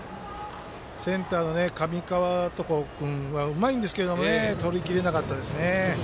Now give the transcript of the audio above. センターの上川床君はうまいんですけどとりきれなかったですね。